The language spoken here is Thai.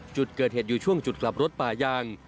จุดเกิดเหตุอยู่ช่วงจุดกลับรถป่ายาง